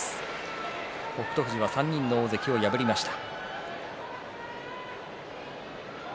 富士は３人の大関を破りました。